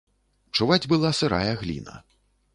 Чуваць была сырая гліна.